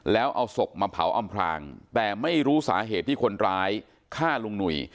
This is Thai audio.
แล้วเอาศพมาเผาอำพลางแต่ไม่รู้สาเหตุที่คนร้ายฆ่าลุงหนุ่ย